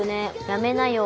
「やめなよ」